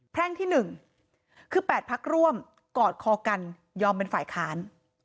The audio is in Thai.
แพร่งที่๑คือ๘พักร่วมกอดคอกันยอมเป็นฝ่ายค้าน